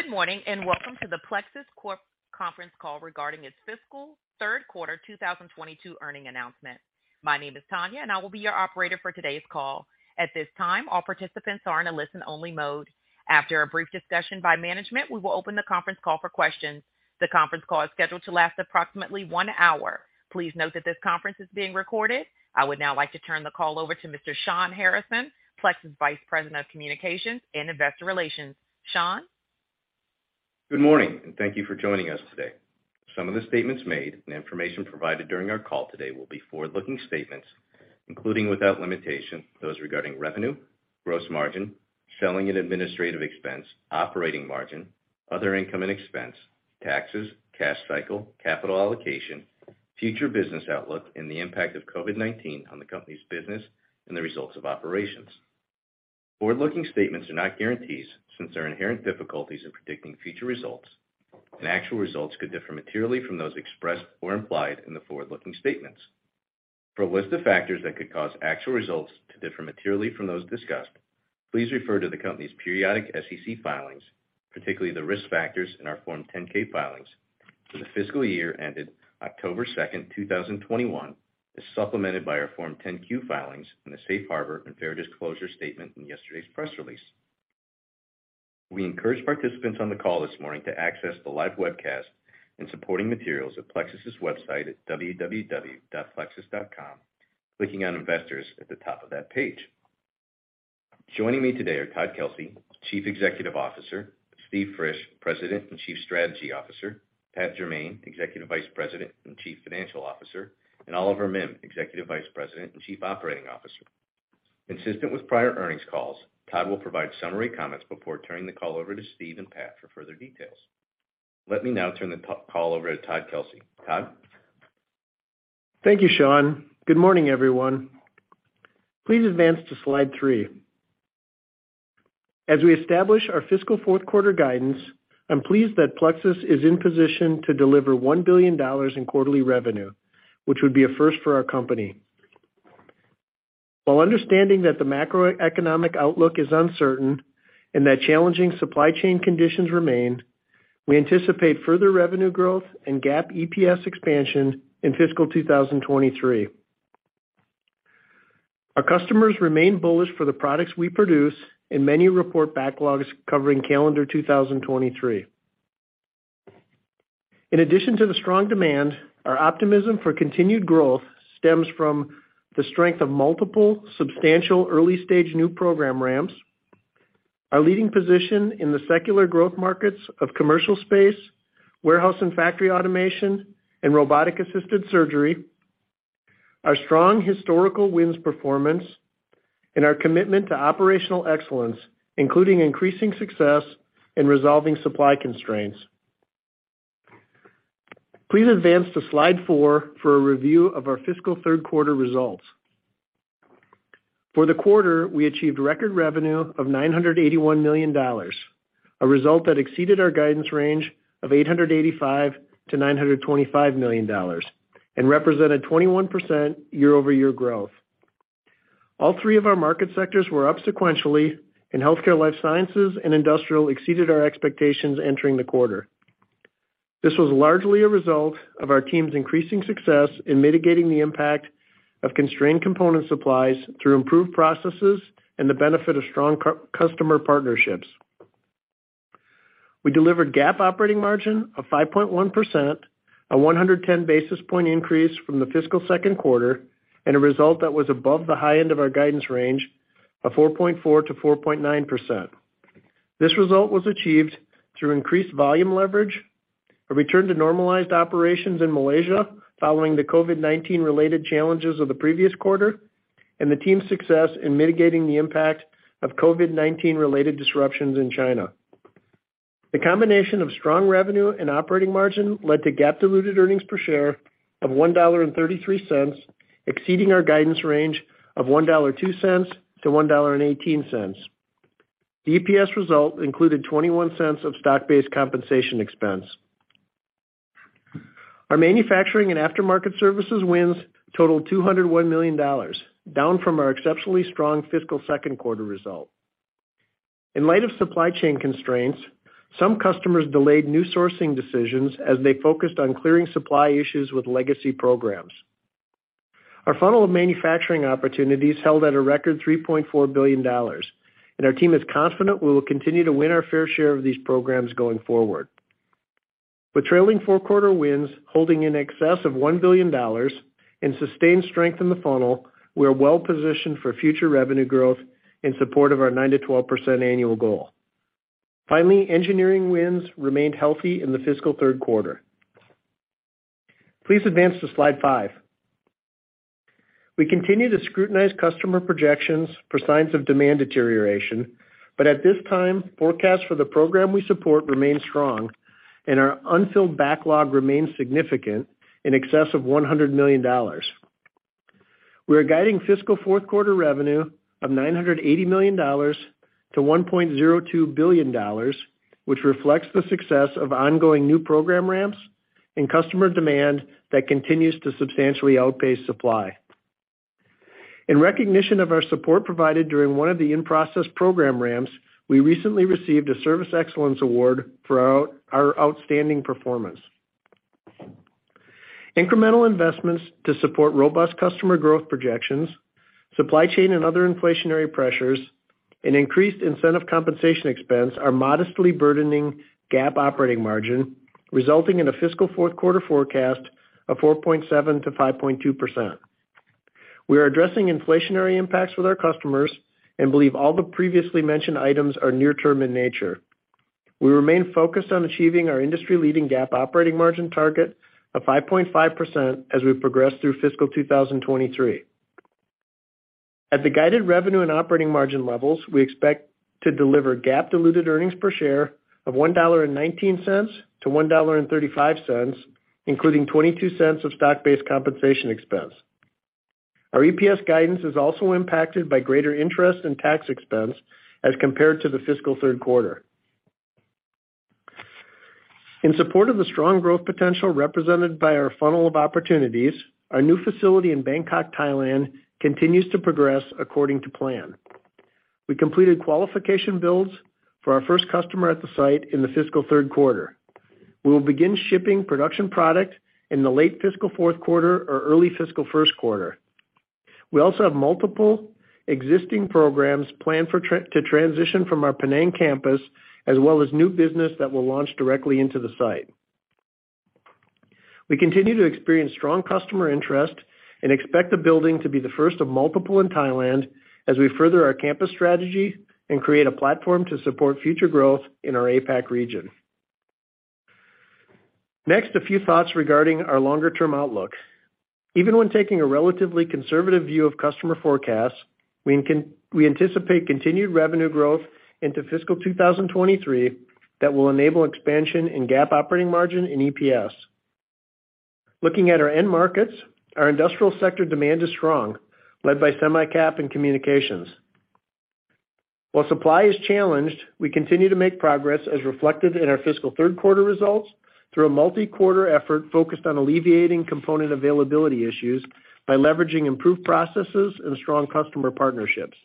Good morning, and welcome to the Plexus Corp. conference call regarding its fiscal third quarter 2022 earnings announcement. My name is Tanya, and I will be your operator for today's call. At this time, all participants are in a listen-only mode. After a brief discussion by management, we will open the conference call for questions. The conference call is scheduled to last approximately one hour. Please note that this conference is being recorded. I would now like to turn the call over to Mr. Shawn Harrison, Plexus Vice President of Communications and Investor Relations. Shawn? Good morning, and thank you for joining us today. Some of the statements made and information provided during our call today will be forward-looking statements, including without limitation, those regarding revenue, gross margin, selling and administrative expense, operating margin, other income and expense, taxes, cash cycle, capital allocation, future business outlook, and the impact of COVID-19 on the company's business and the results of operations. Forward-looking statements are not guarantees since there are inherent difficulties in predicting future results, and actual results could differ materially from those expressed or implied in the forward-looking statements. For a list of factors that could cause actual results to differ materially from those discussed, please refer to the company's periodic SEC filings, particularly the risk factors in our Form 10-K filings for the fiscal year ended October 2, 2021, as supplemented by our Form 10-Q filings in the Safe Harbor and Fair Disclosure statement in yesterday's press release. We encourage participants on the call this morning to access the live webcast and supporting materials at Plexus's website at www.plexus.com, clicking on Investors at the top of that page. Joining me today are Todd Kelsey, Chief Executive Officer, Steven Frisch, President and Chief Strategy Officer, Patrick Jermain, Executive Vice President and Chief Financial Officer, and Oliver Mihm, Executive Vice President and Chief Operating Officer. Consistent with prior earnings calls, Todd will provide summary comments before turning the call over to Steve and Pat for further details. Let me now turn the call over to Todd Kelsey. Todd? Thank you, Shawn. Good morning, everyone. Please advance to slide three. As we establish our fiscal fourth quarter guidance, I'm pleased that Plexus is in position to deliver $1 billion in quarterly revenue, which would be a first for our company. While understanding that the macroeconomic outlook is uncertain and that challenging supply chain conditions remain, we anticipate further revenue growth and GAAP EPS expansion in fiscal 2023. Our customers remain bullish for the products we produce, and many report backlogs covering calendar 2023. In addition to the strong demand, our optimism for continued growth stems from the strength of multiple substantial early-stage new program ramps, our leading position in the secular growth markets of commercial space, warehouse and factory automation, and robotic-assisted surgery, our strong historical wins performance, and our commitment to operational excellence, including increasing success in resolving supply constraints. Please advance to slide four for a review of our fiscal third quarter results. For the quarter, we achieved record revenue of $981 million, a result that exceeded our guidance range of $885 million-$925 million and represented 21% year-over-year growth. All three of our market sectors were up sequentially, and healthcare life sciences and industrial exceeded our expectations entering the quarter. This was largely a result of our team's increasing success in mitigating the impact of constrained component supplies through improved processes and the benefit of strong customer partnerships. We delivered GAAP operating margin of 5.1%, a 110 basis point increase from the fiscal second quarter, and a result that was above the high end of our guidance range of 4.4%-4.9%. This result was achieved through increased volume leverage, a return to normalized operations in Malaysia following the COVID-19 related challenges of the previous quarter, and the team's success in mitigating the impact of COVID-19 related disruptions in China. The combination of strong revenue and operating margin led to GAAP diluted earnings per share of $1.33, exceeding our guidance range of $1.02-$1.18. The EPS result included $0.21 of stock-based compensation expense. Our manufacturing and aftermarket services wins totaled $201 million, down from our exceptionally strong fiscal second quarter result. In light of supply chain constraints, some customers delayed new sourcing decisions as they focused on clearing supply issues with legacy programs. Our funnel of manufacturing opportunities held at a record $3.4 billion, and our team is confident we will continue to win our fair share of these programs going forward. With trailing four quarter wins holding in excess of $1 billion and sustained strength in the funnel, we are well positioned for future revenue growth in support of our 9%-12% annual goal. Finally, engineering wins remained healthy in the fiscal third quarter. Please advance to slide five. We continue to scrutinize customer projections for signs of demand deterioration, but at this time, forecasts for the program we support remain strong and our unfilled backlog remains significant, in excess of $100 million. We're guiding fiscal fourth quarter revenue of $980 million-$1.02 billion, which reflects the success of ongoing new program ramps and customer demand that continues to substantially outpace supply. In recognition of our support provided during one of the in-process program ramps, we recently received a Service Excellence Award for our outstanding performance. Incremental investments to support robust customer growth projections, supply chain and other inflationary pressures, and increased incentive compensation expense are modestly burdening GAAP operating margin, resulting in a fiscal fourth quarter forecast of 4.7%-5.2%. We are addressing inflationary impacts with our customers and believe all the previously mentioned items are near-term in nature. We remain focused on achieving our industry-leading GAAP operating margin target of 5.5% as we progress through fiscal 2023. At the guided revenue and operating margin levels, we expect to deliver GAAP diluted earnings per share of $1.19-$1.35, including $0.22 of stock-based compensation expense. Our EPS guidance is also impacted by greater interest and tax expense as compared to the fiscal third quarter. In support of the strong growth potential represented by our funnel of opportunities, our new facility in Bangkok, Thailand, continues to progress according to plan. We completed qualification builds for our first customer at the site in the fiscal third quarter. We will begin shipping production product in the late fiscal fourth quarter or early fiscal first quarter. We also have multiple existing programs planned for transition from our Penang campus, as well as new business that will launch directly into the site. We continue to experience strong customer interest and expect the building to be the first of multiple in Thailand as we further our campus strategy and create a platform to support future growth in our APAC region. Next, a few thoughts regarding our longer-term outlook. Even when taking a relatively conservative view of customer forecasts, we anticipate continued revenue growth into fiscal 2023 that will enable expansion in GAAP operating margin and EPS. Looking at our end markets, our industrial sector demand is strong, led by semi cap and communications. While supply is challenged, we continue to make progress as reflected in our fiscal third quarter results through a multi-quarter effort focused on alleviating component availability issues by leveraging improved processes and strong customer partnerships.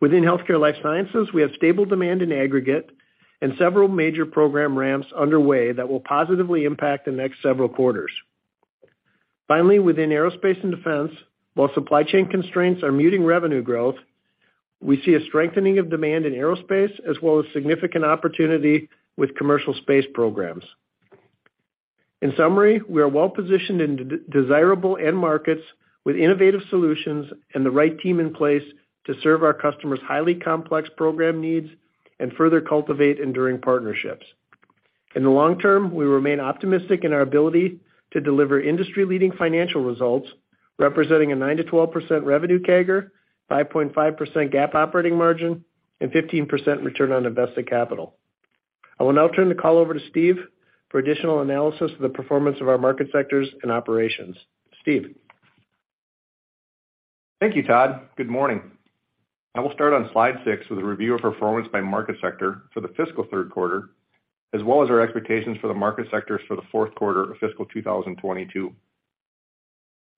Within healthcare life sciences, we have stable demand in aggregate and several major program ramps underway that will positively impact the next several quarters. Finally, within aerospace and defense, while supply chain constraints are muting revenue growth, we see a strengthening of demand in aerospace as well as significant opportunity with commercial space programs. In summary, we are well positioned in desirable end markets with innovative solutions and the right team in place to serve our customers' highly complex program needs and further cultivate enduring partnerships. In the long term, we remain optimistic in our ability to deliver industry-leading financial results, representing a 9%-12% revenue CAGR, 5.5% GAAP operating margin, and 15% return on invested capital. I will now turn the call over to Steve for additional analysis of the performance of our market sectors and operations. Steve? Thank you, Todd. Good morning. I will start on slide six with a review of performance by market sector for the fiscal third quarter, as well as our expectations for the market sectors for the fourth quarter of fiscal 2022.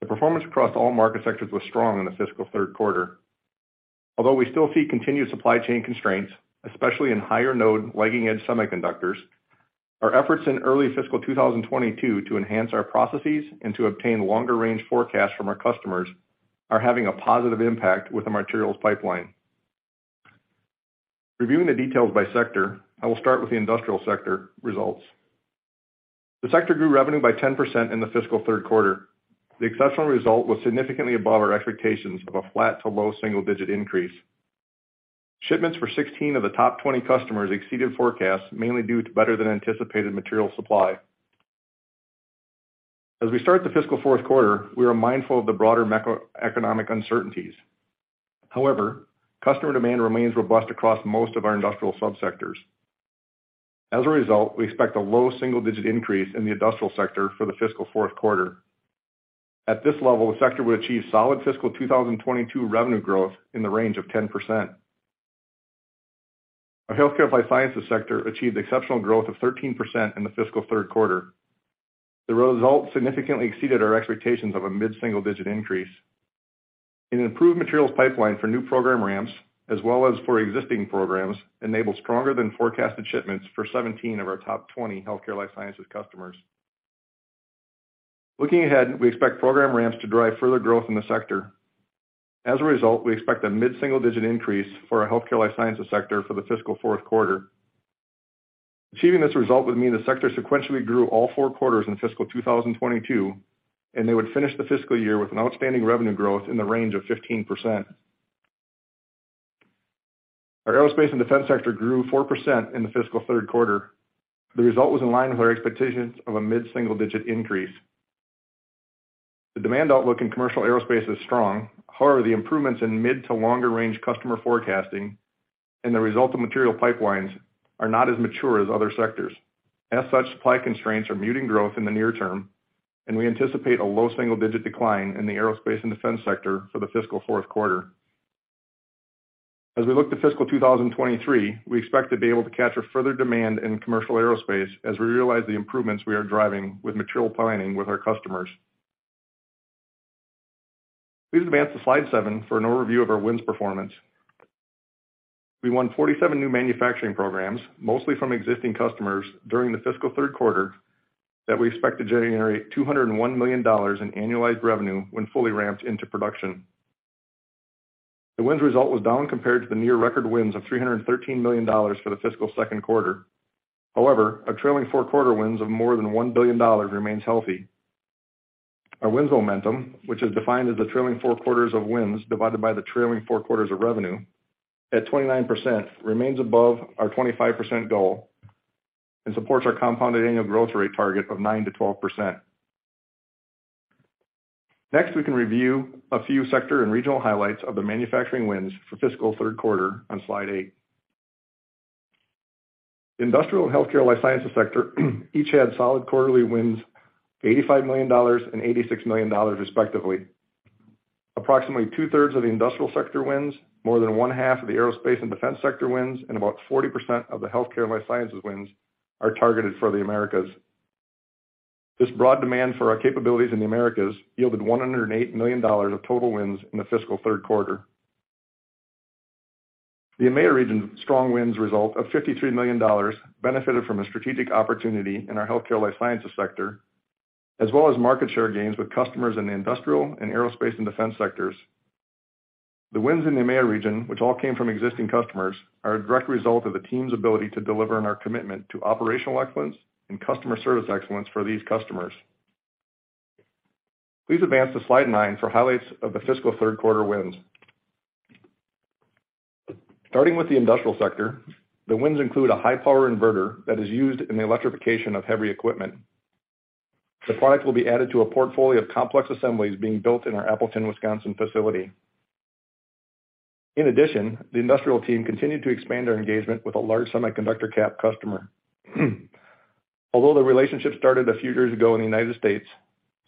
The performance across all market sectors was strong in the fiscal third quarter. Although we still see continued supply chain constraints, especially in higher node lagging edge semiconductors, our efforts in early fiscal 2022 to enhance our processes and to obtain longer range forecasts from our customers are having a positive impact with the materials pipeline. Reviewing the details by sector, I will start with the industrial sector results. The sector grew revenue by 10% in the fiscal third quarter. The exceptional result was significantly above our expectations of a flat to low single-digit increase. Shipments for 16 of the top 20 customers exceeded forecasts, mainly due to better than anticipated material supply. As we start the fiscal fourth quarter, we are mindful of the broader macro-economic uncertainties. However, customer demand remains robust across most of our industrial subsectors. As a result, we expect a low- to mid-single-digit increase in the industrial sector for the fiscal fourth quarter. At this level, the sector will achieve solid fiscal 2022 revenue growth in the range of 10%. Our healthcare life sciences sector achieved exceptional growth of 13% in the fiscal third quarter. The result significantly exceeded our expectations of a mid-single-digit increase. An improved materials pipeline for new program ramps, as well as for existing programs, enabled stronger than forecasted shipments for 17 of our top 20 healthcare life sciences customers. Looking ahead, we expect program ramps to drive further growth in the sector. As a result, we expect a mid-single digit increase for our healthcare life sciences sector for the fiscal fourth quarter. Achieving this result would mean the sector sequentially grew all four quarters in fiscal 2022, and they would finish the fiscal year with an outstanding revenue growth in the range of 15%. Our aerospace and defense sector grew 4% in the fiscal third quarter. The result was in line with our expectations of a mid-single digit increase. The demand outlook in commercial aerospace is strong. However, the improvements in mid to longer range customer forecasting and the result of material pipelines are not as mature as other sectors. As such, supply constraints are muting growth in the near term, and we anticipate a low single-digit decline in the aerospace and defense sector for the fiscal fourth quarter. We look to fiscal 2023, we expect to be able to capture further demand in commercial aerospace as we realize the improvements we are driving with material planning with our customers. Please advance to slide seven for an overview of our wins performance. We won 47 new manufacturing programs, mostly from existing customers, during the fiscal third quarter that we expect to generate $201 million in annualized revenue when fully ramped into production. The wins result was down compared to the near-record wins of $313 million for the fiscal second quarter. However, our trailing four-quarter wins of more than $1 billion remains healthy. Our wins momentum, which is defined as the trailing four quarters of wins divided by the trailing four quarters of revenue, at 29% remains above our 25% goal and supports our compounded annual growth rate target of 9%-12%. Next, we can review a few sector and regional highlights of the manufacturing wins for fiscal third quarter on slide eight. Industrial and healthcare life sciences sector each had solid quarterly wins, $85 million and $86 million, respectively. Approximately two-thirds of the industrial sector wins, more than one-half of the aerospace and defense sector wins, and about 40% of the healthcare life sciences wins are targeted for the Americas. This broad demand for our capabilities in the Americas yielded $108 million of total wins in the fiscal third quarter. The EMEA region strong wins result of $53 million benefited from a strategic opportunity in our healthcare life sciences sector, as well as market share gains with customers in the industrial and aerospace and defense sectors. The wins in the EMEA region, which all came from existing customers, are a direct result of the team's ability to deliver on our commitment to operational excellence and customer service excellence for these customers. Please advance to slide nine for highlights of the fiscal third quarter wins. Starting with the industrial sector, the wins include a high power inverter that is used in the electrification of heavy equipment. The product will be added to a portfolio of complex assemblies being built in our Appleton, Wisconsin, facility. In addition, the industrial team continued to expand our engagement with a large semi cap customer. Although the relationship started a few years ago in the United States,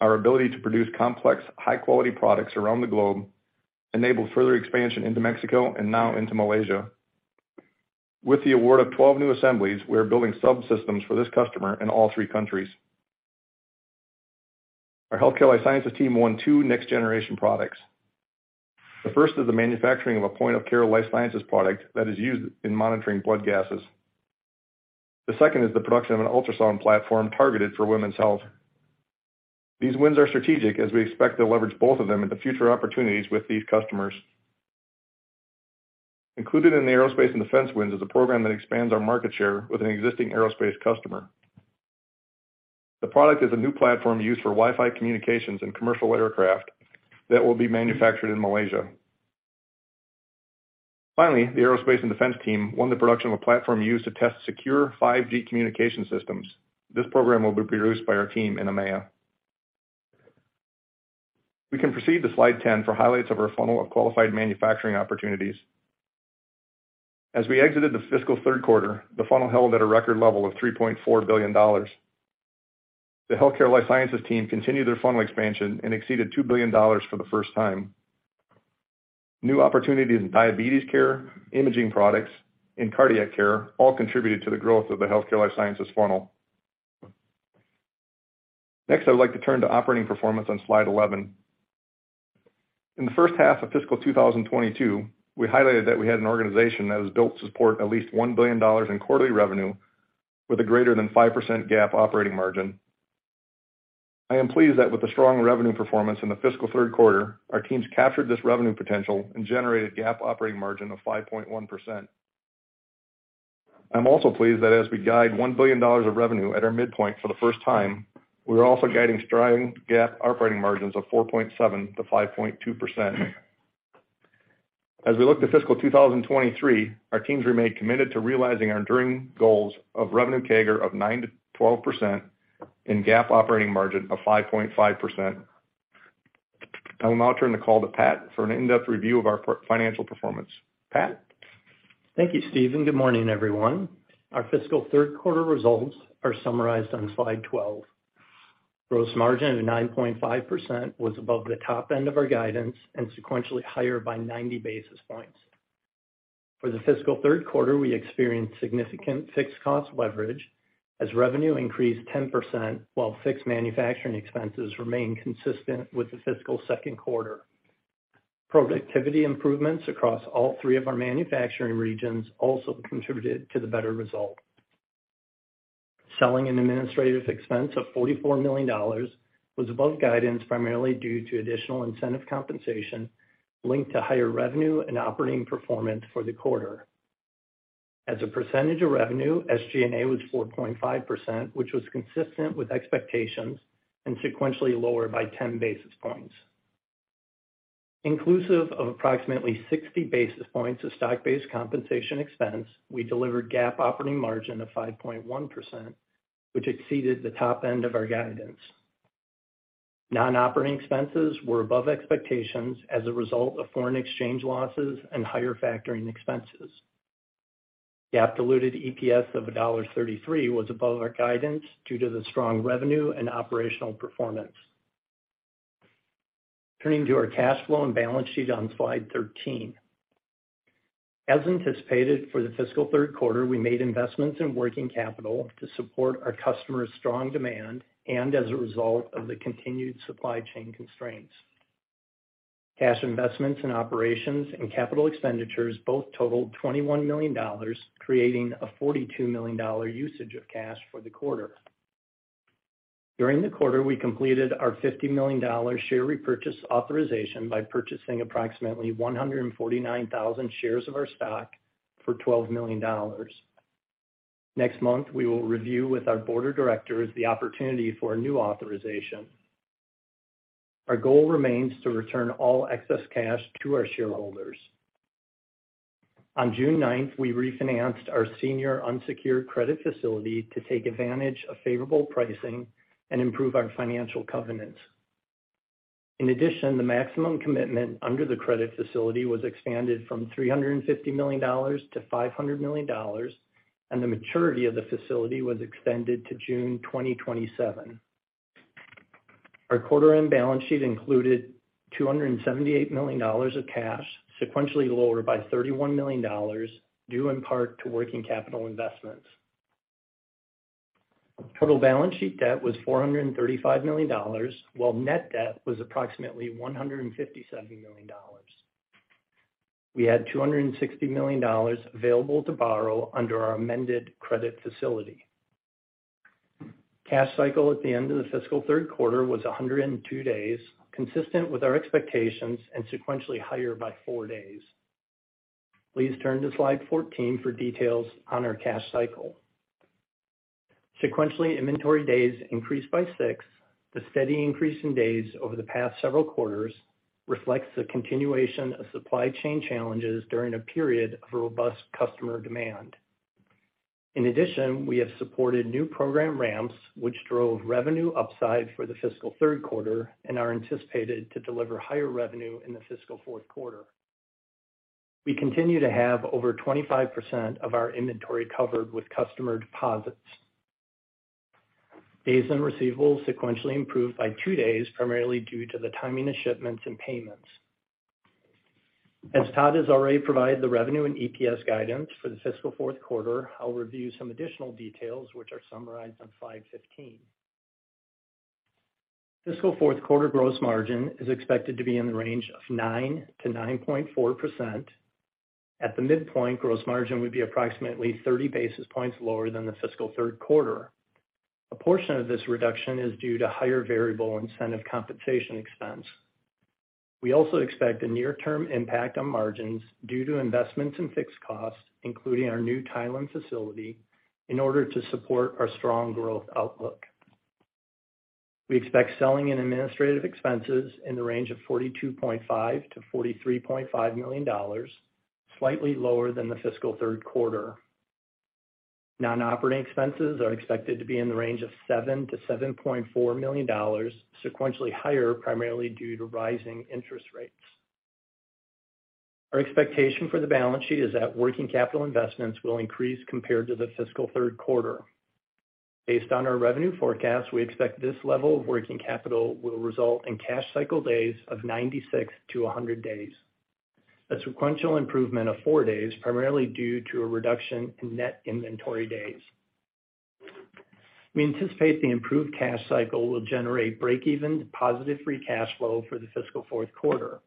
our ability to produce complex, high quality products around the globe enabled further expansion into Mexico and now into Malaysia. With the award of 12 new assemblies, we are building subsystems for this customer in all three countries. Our healthcare life sciences team won two next-generation products. The first is the manufacturing of a point-of-care life sciences product that is used in monitoring blood gases. The second is the production of an ultrasound platform targeted for women's health. These wins are strategic as we expect to leverage both of them into future opportunities with these customers. Included in the aerospace & defense wins is a program that expands our market share with an existing aerospace customer. The product is a new platform used for Wi-Fi communications in commercial aircraft that will be manufactured in Malaysia. Finally, the aerospace and defense team won the production of a platform used to test secure 5G communication systems. This program will be produced by our team in EMEA. We can proceed to slide 10 for highlights of our funnel of qualified manufacturing opportunities. As we exited the fiscal third quarter, the funnel held at a record level of $3.4 billion. The healthcare life sciences team continued their funnel expansion and exceeded $2 billion for the first time. New opportunities in diabetes care, imaging products, and cardiac care all contributed to the growth of the healthcare life sciences funnel. Next, I would like to turn to operating performance on slide 11. In the first half of fiscal 2022, we highlighted that we had an organization that was built to support at least $1 billion in quarterly revenue with a greater than 5% GAAP operating margin. I am pleased that with the strong revenue performance in the fiscal third quarter, our teams captured this revenue potential and generated GAAP operating margin of 5.1%. I'm also pleased that as we guide $1 billion of revenue at our midpoint for the first time, we are also guiding strong GAAP operating margins of 4.7%-5.2%. As we look to fiscal 2023, our teams remain committed to realizing our enduring goals of revenue CAGR of 9%-12% and GAAP operating margin of 5.5%. I will now turn the call to Pat for an in-depth review of our financial performance. Pat? Thank you, Steve, and good morning, everyone. Our fiscal third quarter results are summarized on slide 12. Gross margin of 9.5% was above the top end of our guidance and sequentially higher by 90 basis points. For the fiscal third quarter, we experienced significant fixed cost leverage as revenue increased 10% while fixed manufacturing expenses remained consistent with the fiscal second quarter. Productivity improvements across all three of our manufacturing regions also contributed to the better result. Selling and administrative expense of $44 million was above guidance, primarily due to additional incentive compensation linked to higher revenue and operating performance for the quarter. As a percentage of revenue, SG&A was 4.5%, which was consistent with expectations and sequentially lower by 10 basis points. Inclusive of approximately 60 basis points of stock-based compensation expense, we delivered GAAP operating margin of 5.1%, which exceeded the top end of our guidance. Non-operating expenses were above expectations as a result of foreign exchange losses and higher factoring expenses. GAAP diluted EPS of $1.33 was above our guidance due to the strong revenue and operational performance. Turning to our cash flow and balance sheet on slide 13. As anticipated for the fiscal third quarter, we made investments in working capital to support our customers' strong demand and as a result of the continued supply chain constraints. Cash investments in operations and capital expenditures both totaled $21 million, creating a $42 million usage of cash for the quarter. During the quarter, we completed our $50 million share repurchase authorization by purchasing approximately 149,000 shares of our stock for $12 million. Next month, we will review with our board of directors the opportunity for a new authorization. Our goal remains to return all excess cash to our shareholders. On June ninth, we refinanced our senior unsecured credit facility to take advantage of favorable pricing and improve our financial covenants. In addition, the maximum commitment under the credit facility was expanded from $350 million to $500 million, and the maturity of the facility was extended to June 2027. Our quarter end balance sheet included $278 million of cash, sequentially lower by $31 million, due in part to working capital investments. Total balance sheet debt was $435 million, while net debt was approximately $157 million. We had $260 million available to borrow under our amended credit facility. Cash cycle at the end of the fiscal third quarter was 102 days, consistent with our expectations and sequentially higher by four days. Please turn to slide 14 for details on our cash cycle. Sequentially, inventory days increased by six. The steady increase in days over the past several quarters reflects the continuation of supply chain challenges during a period of robust customer demand. In addition, we have supported new program ramps, which drove revenue upside for the fiscal third quarter and are anticipated to deliver higher revenue in the fiscal fourth quarter. We continue to have over 25% of our inventory covered with customer deposits. Days and receivables sequentially improved by two days, primarily due to the timing of shipments and payments. As Todd has already provided the revenue and EPS guidance for the fiscal fourth quarter, I'll review some additional details which are summarized on slide 15. Fiscal fourth quarter gross margin is expected to be in the range of 9%-9.4%. At the midpoint, gross margin would be approximately 30 basis points lower than the fiscal third quarter. A portion of this reduction is due to higher variable incentive compensation expense. We also expect a near-term impact on margins due to investments in fixed costs, including our new Thailand facility, in order to support our strong growth outlook. We expect selling and administrative expenses in the range of $42.5 million-$43.5 million, slightly lower than the fiscal third quarter. Non-operating expenses are expected to be in the range of $7 million-$7.4 million, sequentially higher primarily due to rising interest rates. Our expectation for the balance sheet is that working capital investments will increase compared to the fiscal third quarter. Based on our revenue forecast, we expect this level of working capital will result in cash cycle days of 96-100 days. A sequential improvement of four days, primarily due to a reduction in net inventory days. We anticipate the improved cash cycle will generate breakeven to positive free cash flow for the fiscal fourth quarter.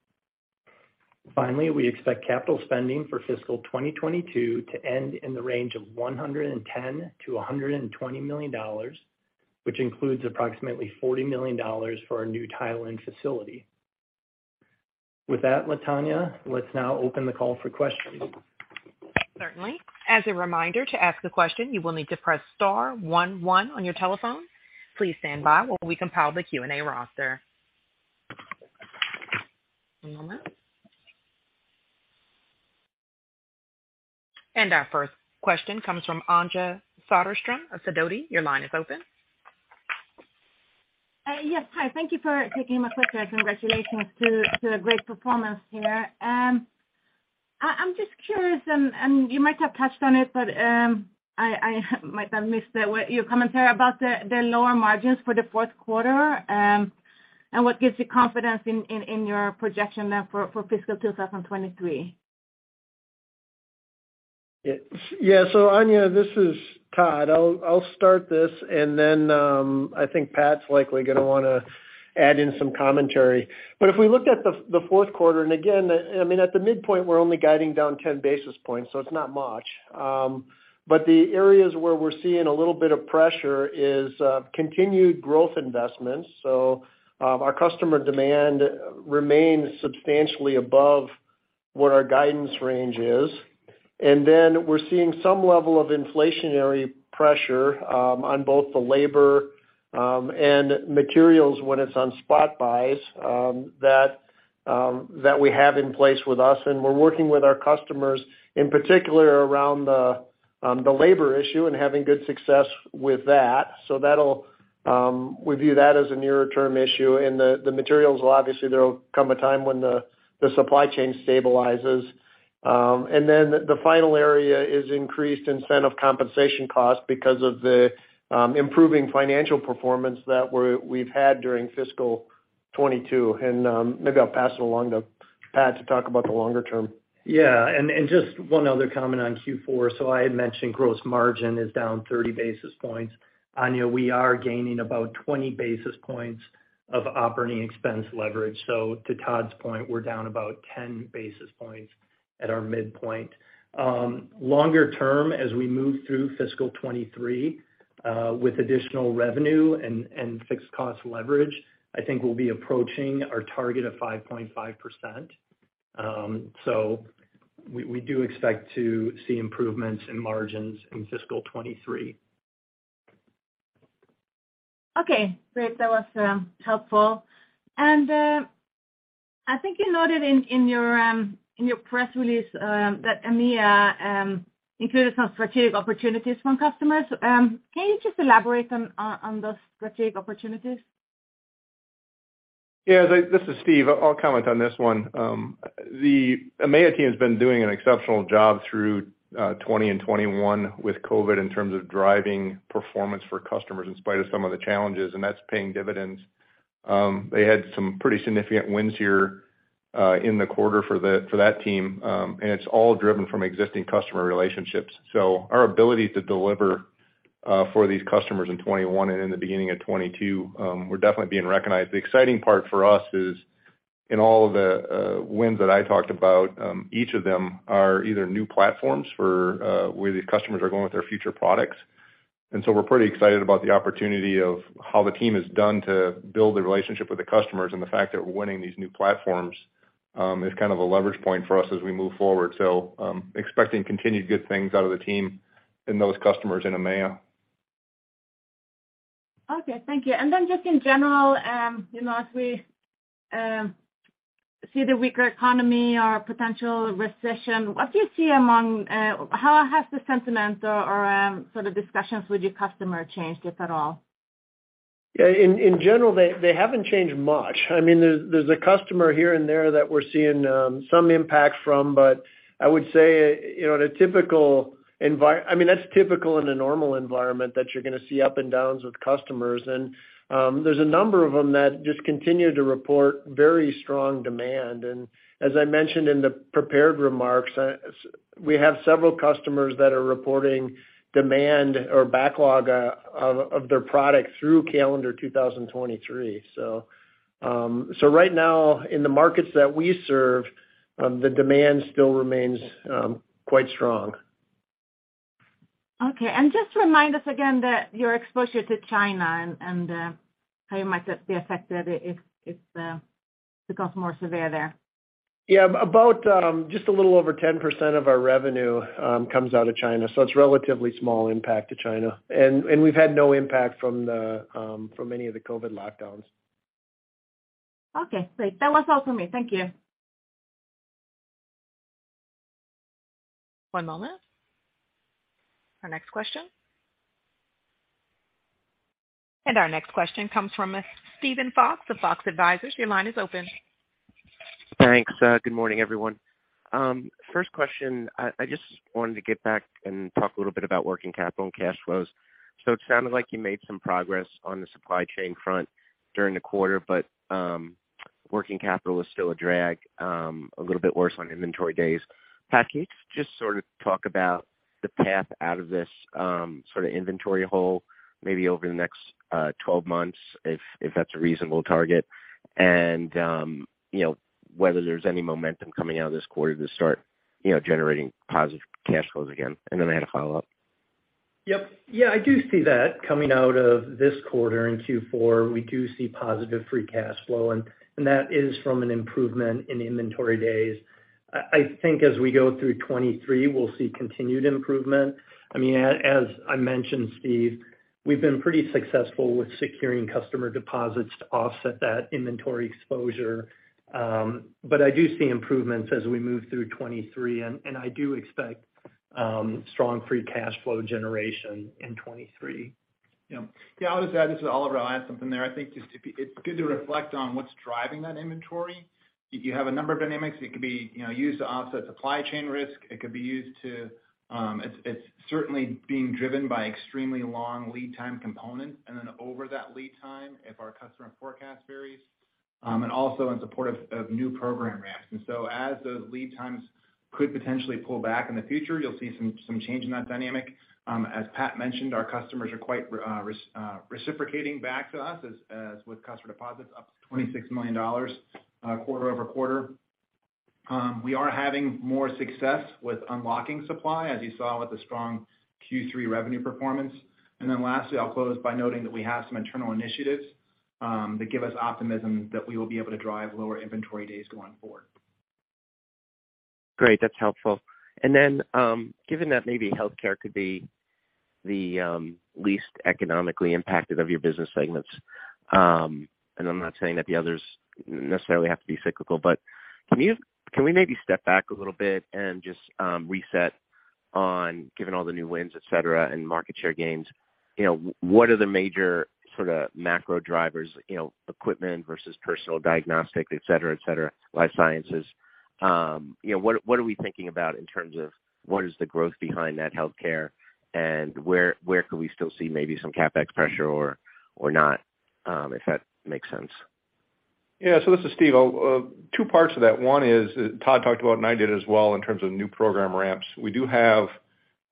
Finally, we expect capital spending for fiscal 2022 to end in the range of $110 million-$120 million, which includes approximately $40 million for our new Thailand facility. With that, Tanya, let's now open the call for questions. Certainly. As a reminder, to ask a question, you will need to press star one one on your telephone. Please stand by while we compile the Q&A roster. One moment. Our first question comes from Anja Soderstrom of Sidoti. Your line is open. Yes. Hi. Thank you for taking my question. Congratulations to a great performance here. I'm just curious and you might have touched on it, but I might have missed the way your commentary about the lower margins for the fourth quarter, and what gives you confidence in your projection now for fiscal 2023. Yeah. Anja, this is Todd. I'll start this, and then I think Pat's likely gonna wanna add in some commentary. If we look at the fourth quarter, and again, I mean, at the midpoint, we're only guiding down 10 basis points, so it's not much. The areas where we're seeing a little bit of pressure is continued growth investments. Our customer demand remains substantially above what our guidance range is. Then we're seeing some level of inflationary pressure on both the labor and materials when it's on spot buys that we have in place with us. We're working with our customers, in particular around the labor issue and having good success with that. That'll, we view that as a near-term issue. The materials will obviously, there will come a time when the supply chain stabilizes. The final area is increased incentive compensation costs because of the improving financial performance that we've had during fiscal 2022. Maybe I'll pass it along to Pat to talk about the longer term. Yeah. Just one other comment on Q4. I had mentioned gross margin is down 30 basis points. Anja, we are gaining about 20 basis points of operating expense leverage. To Todd's point, we're down about 10 basis points at our midpoint. Longer term, as we move through fiscal 2023, with additional revenue and fixed cost leverage, I think we'll be approaching our target of 5.5%. We do expect to see improvements in margins in fiscal 2023. Okay, great. That was helpful. I think you noted in your press release that EMEA included some strategic opportunities from customers. Can you just elaborate on those strategic opportunities? Yeah. This is Steve. I'll comment on this one. The EMEA team has been doing an exceptional job through 2020 and 2021 with COVID in terms of driving performance for customers in spite of some of the challenges, and that's paying dividends. They had some pretty significant wins here in the quarter for that team, and it's all driven from existing customer relationships. Our ability to deliver for these customers in 2021 and in the beginning of 2022, we're definitely being recognized. The exciting part for us is in all of the wins that I talked about, each of them are either new platforms for where these customers are going with their future products. We're pretty excited about the opportunity of how the team has done to build the relationship with the customers and the fact that we're winning these new platforms, is kind of a leverage point for us as we move forward. Expecting continued good things out of the team and those customers in EMEA. Okay, thank you. Just in general, you know, as we see the weaker economy or potential recession, what do you see among how has the sentiment or sort of discussions with your customer changed, if at all? Yeah, in general, they haven't changed much. I mean, there's a customer here and there that we're seeing some impact from, but I would say, you know, that's typical in a normal environment that you're gonna see up and downs with customers. There's a number of them that just continue to report very strong demand. As I mentioned in the prepared remarks, we have several customers that are reporting demand or backlog of their product through calendar 2023. Right now in the markets that we serve, the demand still remains quite strong. Okay. Just remind us again that your exposure to China and how you might be affected if it becomes more severe there? Yeah. About just a little over 10% of our revenue comes out of China, so it's relatively small impact to China. We've had no impact from any of the COVID lockdowns. Okay, great. That was all for me. Thank you. One moment. Our next question. Our next question comes from Steven Fox of Fox Advisors. Your line is open. Thanks. Good morning, everyone. First question, I just wanted to get back and talk a little bit about working capital and cash flows. It sounded like you made some progress on the supply chain front during the quarter, but working capital is still a drag, a little bit worse on inventory days. Pat, can you just sort of talk about the path out of this sort of inventory hole maybe over the next 12 months, if that's a reasonable target? You know, whether there's any momentum coming out of this quarter to start, you know, generating positive cash flows again. I had a follow-up. Yeah, I do see that coming out of this quarter in Q4, we do see positive free cash flow, and that is from an improvement in inventory days. I think as we go through 2023, we'll see continued improvement. I mean, as I mentioned, Steve, we've been pretty successful with securing customer deposits to offset that inventory exposure. I do see improvements as we move through 2023, and I do expect strong free cash flow generation in 2023. Yeah. Yeah, I'll just add. This is Oliver. I'll add something there. I think it's good to reflect on what's driving that inventory. You have a number of dynamics. It could be, you know, used to offset supply chain risk. It could be used to. It's certainly being driven by extremely long lead time components, and then over that lead time, if our customer forecast varies, and also in support of new program ramps. Those lead times could potentially pull back in the future. You'll see some change in that dynamic. As Pat mentioned, our customers are quite reciprocating back to us as with customer deposits up to $26 million, quarter-over-quarter. We are having more success with unlocking supply, as you saw with the strong Q3 revenue performance. Lastly, I'll close by noting that we have some internal initiatives that give us optimism that we will be able to drive lower inventory days going forward. Great. That's helpful. Given that maybe healthcare could be the least economically impacted of your business segments, and I'm not saying that the others necessarily have to be cyclical, but can we maybe step back a little bit and just reset. Given all the new wins, et cetera, and market share gains, you know, what are the major sort of macro drivers, you know, equipment versus personal diagnostic, et cetera, life sciences? You know, what are we thinking about in terms of what is the growth behind that healthcare and where could we still see maybe some CapEx pressure or not, if that makes sense? Yeah. This is Steve. Two parts of that. One is Todd talked about, and I did as well, in terms of new program ramps. We do have,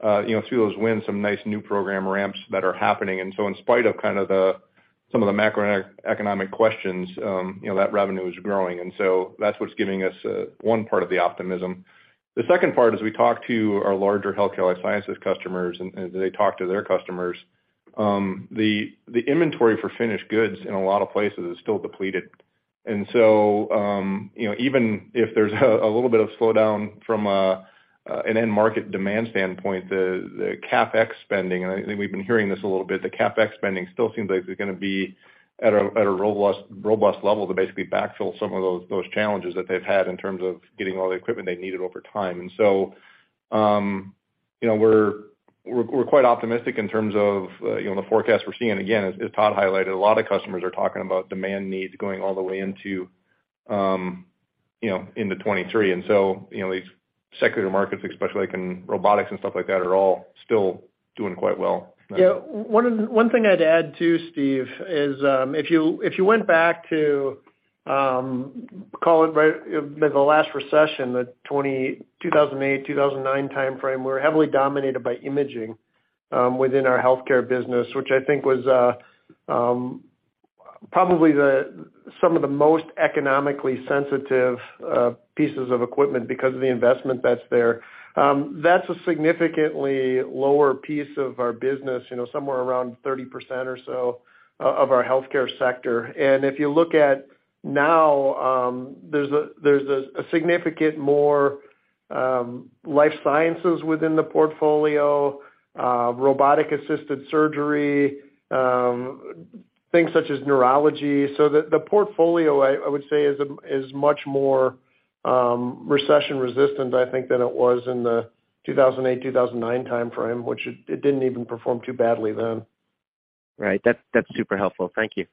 you know, through those wins, some nice new program ramps that are happening. In spite of kind of the, some of the macroeconomic questions, you know, that revenue is growing. That's what's giving us, one part of the optimism. The second part is we talk to our larger healthcare life sciences customers, and they talk to their customers. The inventory for finished goods in a lot of places is still depleted. Even if there's a little bit of slowdown from an end market demand standpoint, the CapEx spending, and I think we've been hearing this a little bit, still seems like they're gonna be at a robust level to basically backfill some of those challenges that they've had in terms of getting all the equipment they needed over time. We're quite optimistic in terms of the forecast we're seeing. Again, as Todd highlighted, a lot of customers are talking about demand needs going all the way into 2023. These secular markets, especially like in robotics and stuff like that, are all still doing quite well. Yeah. One thing I'd add too, Steve, is if you went back to the last recession, the 2008-2009 timeframe, we were heavily dominated by imaging within our healthcare business, which I think was probably some of the most economically sensitive pieces of equipment because of the investment that's there. That's a significantly lower piece of our business, you know, somewhere around 30% or so of our healthcare sector. If you look at now, there's significantly more life sciences within the portfolio, robotic-assisted surgery, things such as neurology. The portfolio I would say is much more recession resistant, I think, than it was in the 2008, 2009 timeframe, which it didn't even perform too badly then. Right. That's super helpful. Thank you.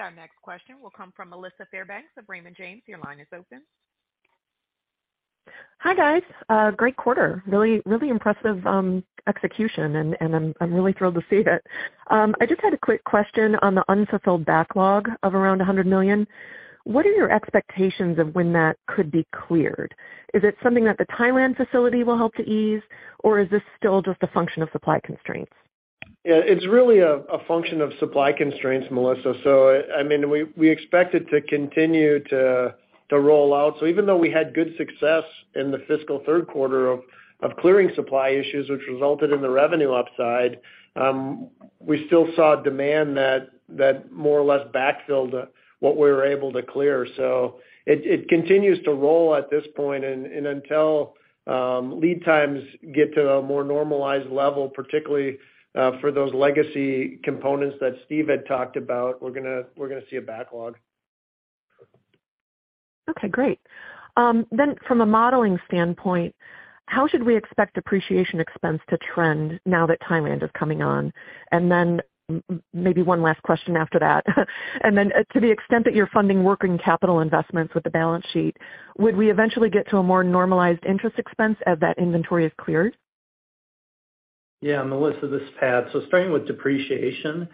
Our next question will come from Melissa Fairbanks of Raymond James. Your line is open. Hi, guys. Great quarter. Really impressive execution, and I'm really thrilled to see that. I just had a quick question on the unfulfilled backlog of around $100 million. What are your expectations of when that could be cleared? Is it something that the Thailand facility will help to ease, or is this still just a function of supply constraints? Yeah, it's really a function of supply constraints, Melissa. I mean, we expect it to continue to roll out. Even though we had good success in the fiscal third quarter of clearing supply issues, which resulted in the revenue upside, we still saw demand that more or less backfilled what we were able to clear. It continues to roll at this point. Until lead times get to a more normalized level, particularly, for those legacy components that Steve had talked about, we're gonna see a backlog. Okay, great. From a modeling standpoint, how should we expect depreciation expense to trend now that Thailand is coming on? Maybe one last question after that. To the extent that you're funding working capital investments with the balance sheet, would we eventually get to a more normalized interest expense as that inventory is cleared? Yeah, Melissa, this is Pat. Starting with depreciation,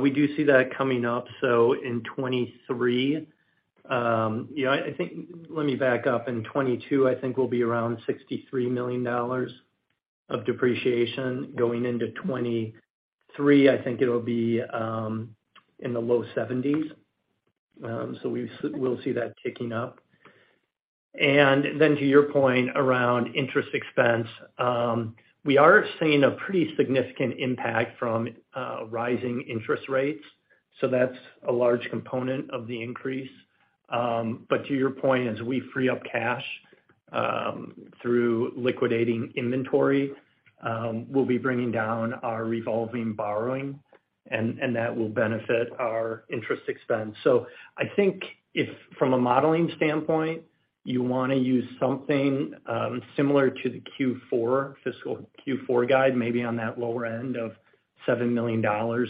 we do see that coming up in 2023. You know, I think. Let me back up. In 2022, I think we'll be around $63 million of depreciation. Going into 2023, I think it'll be in the low 70s. We'll see that ticking up. To your point around interest expense, we are seeing a pretty significant impact from rising interest rates, so that's a large component of the increase. To your point, as we free up cash through liquidating inventory, we'll be bringing down our revolving borrowing and that will benefit our interest expense. I think if from a modeling standpoint, you wanna use something, similar to the Q4, fiscal Q4 guide, maybe on that lower end of $7 million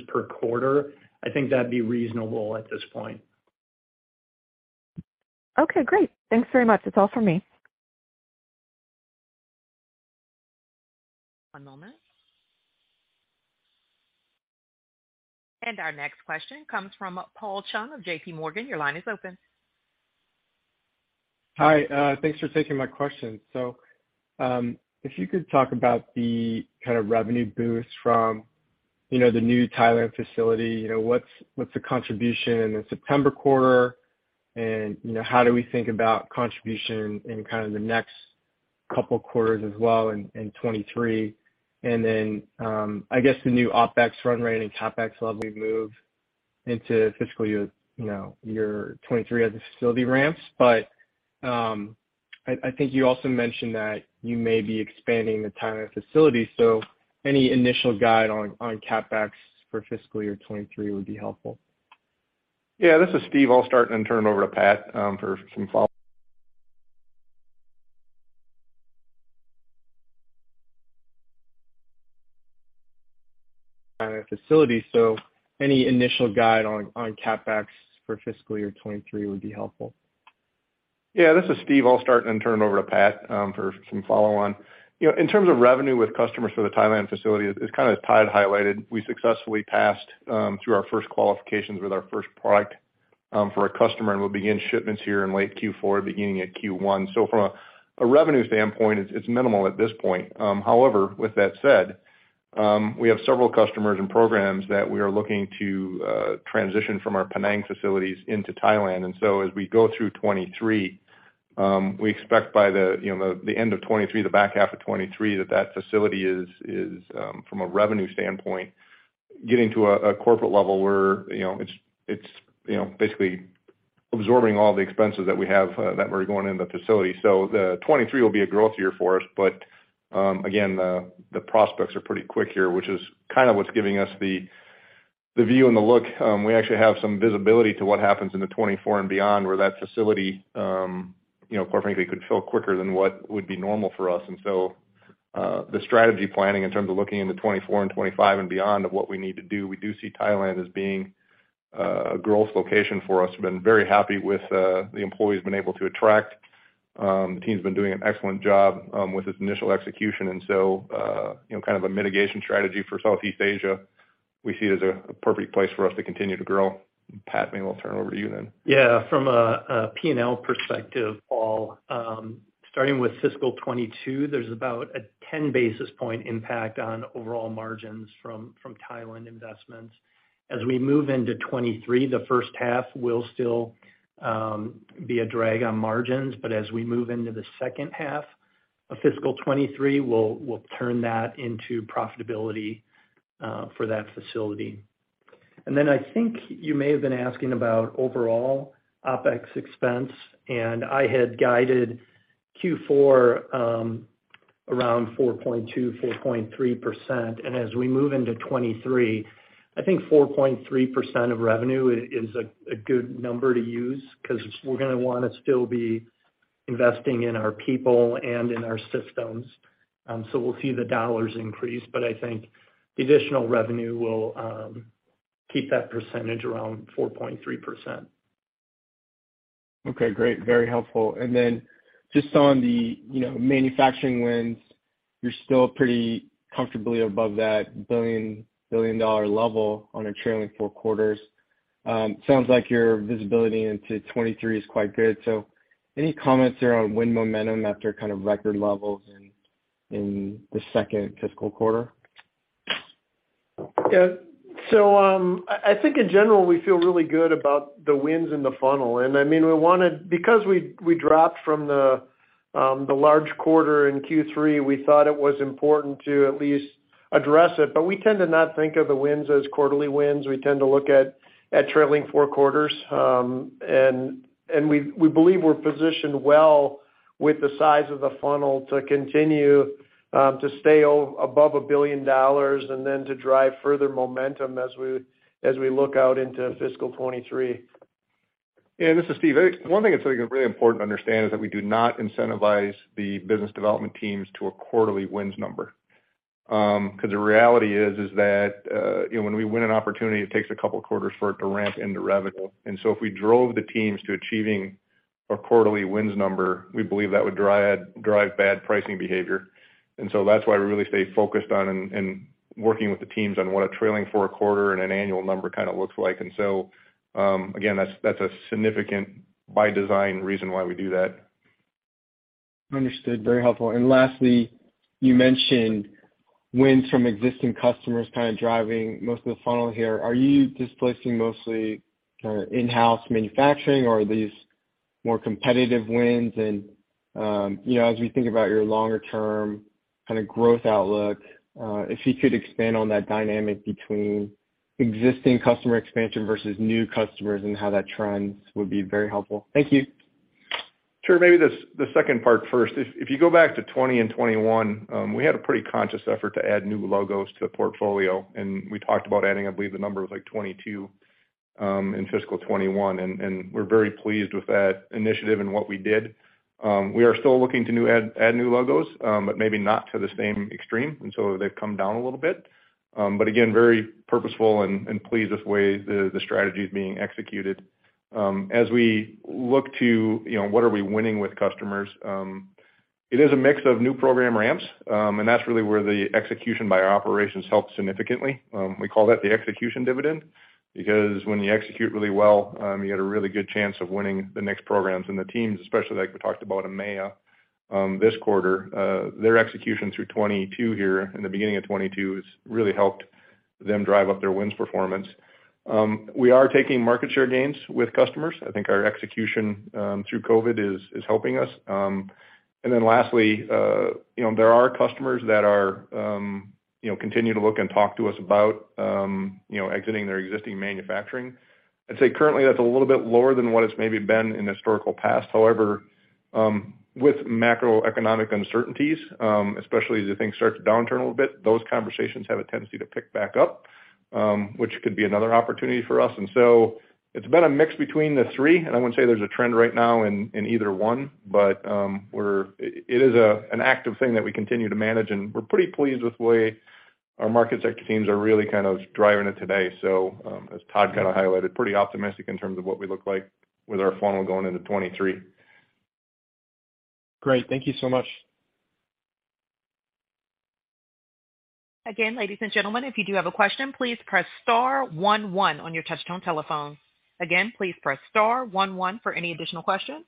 per quarter, I think that'd be reasonable at this point. Okay, great. Thanks very much. That's all for me. One moment. Our next question comes from Paul Chung of JPMorgan. Your line is open. Hi. Thanks for taking my question. If you could talk about the kind of revenue boost from, you know, the new Thailand facility. You know, what's the contribution in the September quarter? You know, how do we think about contribution in kind of the next couple quarters as well in twenty-three? I guess the new OpEx run rate and CapEx level move into fiscal year, you know, year 2023 as the facility ramps. I think you also mentioned that you may be expanding the Thailand facility. Any initial guide on CapEx for fiscal year 2023 would be helpful. Yeah, this is Steve. I'll start and then turn it over to Pat for some follow- Thailand facility. Any initial guide on CapEx for fiscal year 2023 would be helpful. Yeah, this is Steve. I'll start and then turn it over to Pat for some follow on. You know, in terms of revenue with customers for the Thailand facility, it's kind of as Todd highlighted, we successfully passed through our first qualifications with our first product for a customer, and we'll begin shipments here in late Q4, beginning at Q1. From a revenue standpoint, it's minimal at this point. However, with that said, we have several customers and programs that we are looking to transition from our Penang facilities into Thailand. As we go through 2023, you know, we expect by the end of 2023, the back half of 2023, that facility is from a revenue standpoint getting to a corporate level where, you know, it's basically absorbing all the expenses that we have that were going in the facility. 2023 will be a growth year for us, but again, the prospects are pretty quick here, which is kind of what's giving us the view and the look. We actually have some visibility to what happens in 2024 and beyond, where that facility, you know, quite frankly, could fill quicker than what would be normal for us. The strategy planning in terms of looking into 2024 and 2025 and beyond of what we need to do, we do see Thailand as being a growth location for us. We've been very happy with the employees we've been able to attract. The team's been doing an excellent job with its initial execution. You know, kind of a mitigation strategy for Southeast Asia, we see it as a perfect place for us to continue to grow. Pat, maybe we'll turn it over to you then. Yeah. From a P&L perspective, Paul, starting with fiscal 2022, there's about a 10 basis point impact on overall margins from Thailand investments. As we move into 2023, the first half will still be a drag on margins, but as we move into the second half of fiscal 2023, we'll turn that into profitability for that facility. I think you may have been asking about overall OpEx expense, and I had guided Q4 around 4.2-4.3%. As we move into 2023, I think 4.3% of revenue is a good number to use because we're gonna wanna still be investing in our people and in our systems. We'll see the dollars increase. I think the additional revenue will keep that percentage around 4.3%. Okay, great. Very helpful. Then just on the, you know, manufacturing wins, you're still pretty comfortably above that billion-dollar level on a trailing four quarters. Sounds like your visibility into 2023 is quite good. Any comments there on win momentum after kind of record levels in the second fiscal quarter? Yeah. I think in general, we feel really good about the wins in the funnel. I mean, we wanna because we dropped from the large quarter in Q3, we thought it was important to at least address it. We tend to not think of the wins as quarterly wins. We tend to look at trailing four quarters. We believe we're positioned well with the size of the funnel to continue to stay above $1 billion and then to drive further momentum as we look out into fiscal 2023. Yeah, this is Steve. One thing that's, like, really important to understand is that we do not incentivize the business development teams to a quarterly wins number. 'Cause the reality is that, you know, when we win an opportunity, it takes a couple quarters for it to ramp into revenue. If we drove the teams to achieving a quarterly wins number, we believe that would drive bad pricing behavior. That's why we really stay focused on and working with the teams on what a trailing four quarter and an annual number kind of looks like. Again, that's a significant by design reason why we do that. Understood. Very helpful. Lastly, you mentioned wins from existing customers kind of driving most of the funnel here. Are you displacing mostly kind of in-house manufacturing or are these more competitive wins? You know, as we think about your longer term kind of growth outlook, if you could expand on that dynamic between existing customer expansion versus new customers and how that trends would be very helpful. Thank you. Sure. Maybe the second part first. If you go back to 2020 and 2021, we had a pretty conscious effort to add new logos to the portfolio, and we talked about adding, I believe the number was like 22, in fiscal 2021, and we're very pleased with that initiative and what we did. We are still looking to add new logos, but maybe not to the same extreme, and so they've come down a little bit. Again, very purposeful and pleased with the way the strategy is being executed. As we look to, you know, what are we winning with customers, it is a mix of new program ramps, and that's really where the execution by our operations helped significantly. We call that the execution dividend because when you execute really well, you got a really good chance of winning the next programs. The teams, especially like we talked about in EMEA, this quarter, their execution through 2022 here and the beginning of 2022 has really helped them drive up their wins performance. We are taking market share gains with customers. I think our execution through COVID is helping us. Then lastly, you know, there are customers that are, you know, continue to look and talk to us about, you know, exiting their existing manufacturing. I'd say currently that's a little bit lower than what it's maybe been in the historical past. However, with macroeconomic uncertainties, especially as the things start to downturn a little bit, those conversations have a tendency to pick back up, which could be another opportunity for us. It's been a mix between the three, and I wouldn't say there's a trend right now in either one, but it is an active thing that we continue to manage, and we're pretty pleased with the way our market sector teams are really kind of driving it today. As Todd kinda highlighted, pretty optimistic in terms of what we look like with our funnel going into 2023. Great. Thank you so much. Again, ladies and gentlemen, if you do have a question, please press star one one on your touchtone telephone. Again, please press star one one for any additional questions.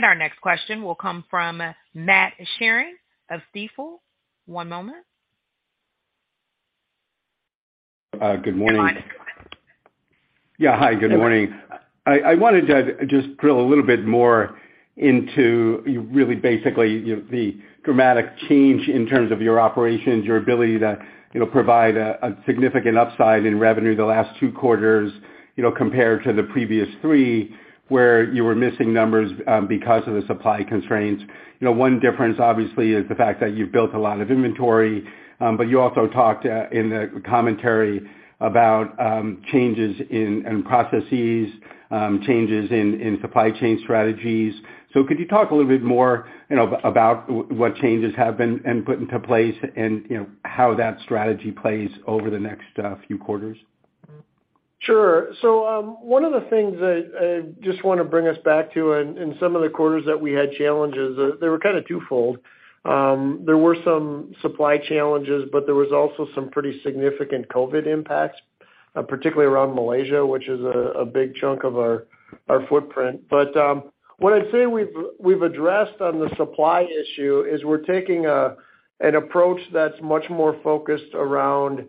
Our next question will come from Matt Sheerin of Stifel. One moment. Good morning. Your line is open. Yeah. Hi, good morning. I wanted to just drill a little bit more into you really basically, the dramatic change in terms of your operations, your ability to, you know, provide a significant upside in revenue the last two quarters, you know, compared to the previous three, where you were missing numbers because of the supply constraints. You know, one difference, obviously, is the fact that you've built a lot of inventory, but you also talked in the commentary about changes in processes, changes in supply chain strategies. Could you talk a little bit more, you know, about what changes have been put into place and, you know, how that strategy plays over the next few quarters? Sure. One of the things that I just wanna bring us back to, in some of the quarters that we had challenges, they were kinda twofold. There were some supply challenges, but there was also some pretty significant COVID impacts, particularly around Malaysia, which is a big chunk of our footprint. What I'd say we've addressed on the supply issue is we're taking an approach that's much more focused around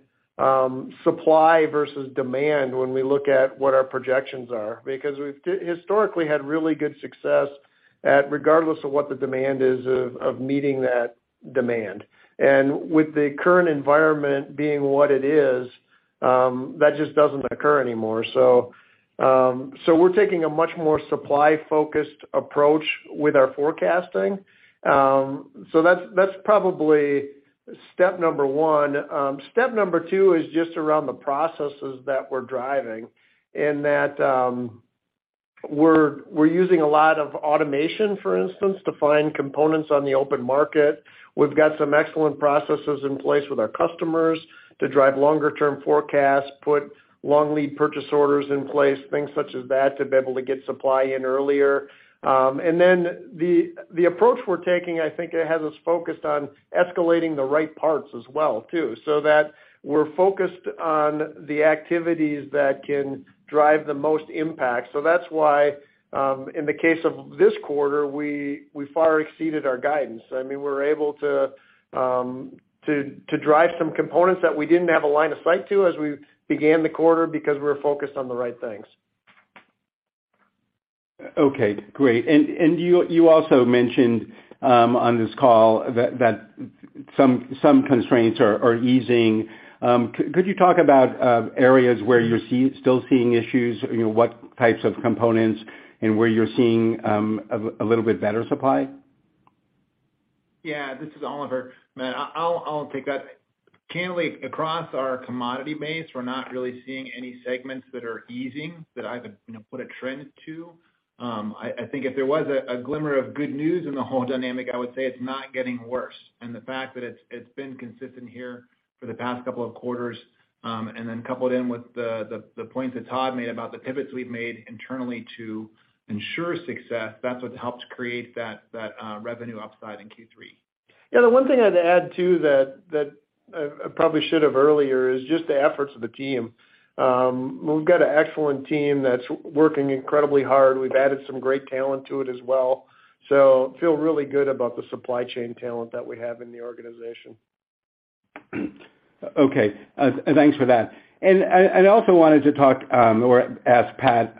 supply versus demand when we look at what our projections are. Because we've historically had really good success at regardless of what the demand is of meeting that demand. With the current environment being what it is, that just doesn't occur anymore. We're taking a much more supply-focused approach with our forecasting. That's probably step number one. Step number two is just around the processes that we're driving in that, we're using a lot of automation, for instance, to find components on the open market. We've got some excellent processes in place with our customers to drive longer term forecasts, put long lead purchase orders in place, things such as that to be able to get supply in earlier. The approach we're taking, I think it has us focused on escalating the right parts as well too, so that we're focused on the activities that can drive the most impact. That's why, in the case of this quarter, we far exceeded our guidance. I mean, we're able to drive some components that we didn't have a line of sight to as we began the quarter because we were focused on the right things. Okay. Great. You also mentioned on this call that some constraints are easing. Could you talk about areas where you're still seeing issues, you know, what types of components and where you're seeing a little bit better supply? Yeah. This is Oliver. Matt, I'll take that. Candidly, across our commodity base, we're not really seeing any segments that are easing that I've you know put a trend to. I think if there was a glimmer of good news in the whole dynamic, I would say it's not getting worse. The fact that it's been consistent here for the past couple of quarters and then coupled in with the points that Todd made about the pivots we've made internally to ensure success, that's what's helped create that revenue upside in Q3. Yeah. The one thing I'd add to that I probably should have earlier is just the efforts of the team. We've got an excellent team that's working incredibly hard. We've added some great talent to it as well. Feel really good about the supply chain talent that we have in the organization. Okay. Thanks for that. I'd also wanted to talk or ask Pat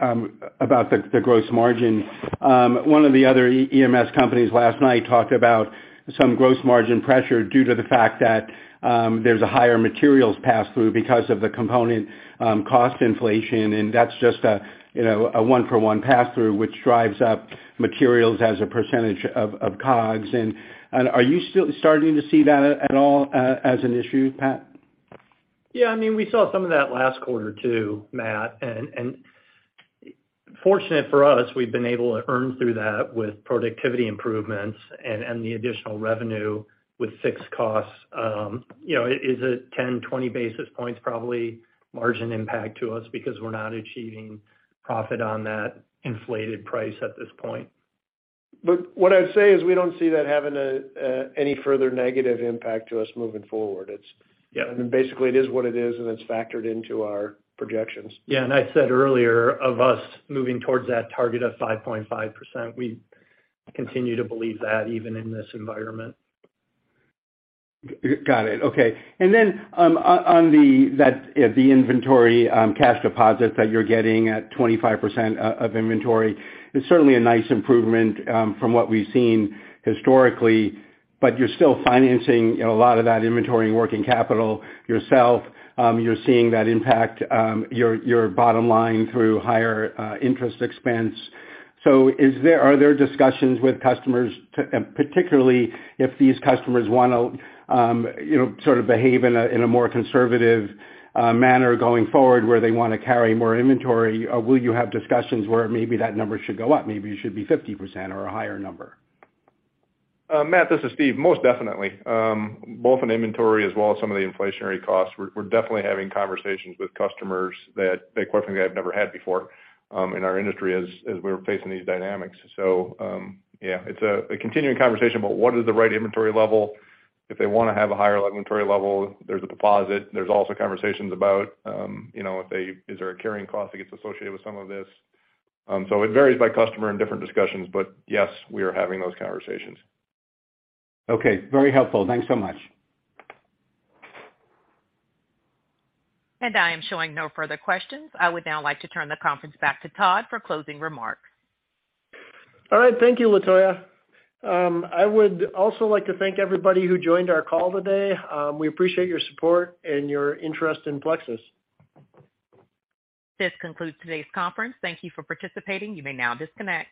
about the gross margin. One of the other EMS companies last night talked about some gross margin pressure due to the fact that there's a higher materials pass through because of the component cost inflation, and that's just a, you know, a one for one pass through, which drives up materials as a percentage of COGS. Are you still starting to see that at all as an issue, Pat? Yeah. I mean, we saw some of that last quarter too, Matt. Fortunate for us, we've been able to earn through that with productivity improvements and the additional revenue with fixed costs. You know, it is a 10-20 basis points probably margin impact to us because we're not achieving profit on that inflated price at this point. What I'd say is we don't see that having any further negative impact to us moving forward. Yeah. I mean, basically it is what it is, and it's factored into our projections. Yeah. I said earlier of us moving towards that target of 5.5%, we continue to believe that even in this environment. Got it. Okay. On the inventory cash deposits that you're getting at 25% of inventory is certainly a nice improvement from what we've seen historically. You're still financing, you know, a lot of that inventory and working capital yourself. You're seeing that impact your bottom line through higher interest expense. Are there discussions with customers to and particularly if these customers wanna, you know, sort of behave in a more conservative manner going forward where they wanna carry more inventory, will you have discussions where maybe that number should go up? Maybe it should be 50% or a higher number. Matt, this is Steve. Most definitely. Both in inventory as well as some of the inflationary costs, we're definitely having conversations with customers that they quite frankly have never had before, in our industry as we're facing these dynamics. It's a continuing conversation about what is the right inventory level. If they wanna have a higher inventory level, there's a deposit. There's also conversations about, you know, is there a carrying cost that gets associated with some of this? It varies by customer and different discussions. Yes, we are having those conversations. Okay. Very helpful. Thanks so much. I am showing no further questions. I would now like to turn the conference back to Todd for closing remarks. All right. Thank you, Tanya. I would also like to thank everybody who joined our call today. We appreciate your support and your interest in Plexus. This concludes today's conference. Thank you for participating. You may now disconnect.